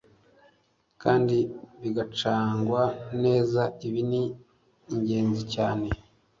kandi bigakacangwa neza Ibi ni ingenzi cyane